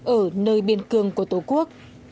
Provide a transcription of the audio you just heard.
ở nơi biên cương của tổ quốc